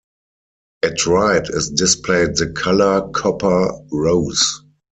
At right is displayed the color copper rose.